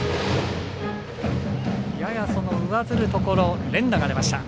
やや、その上ずるところ連打が出ました。